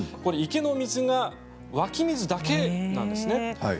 池の水が湧き水だけなんですね。